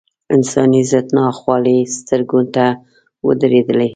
انساني ضد ناخوالې سترګو ته ودرېدلې.